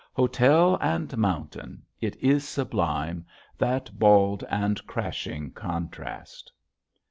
Hotel and Mountain! it is sublime, that bald and crashing contrast.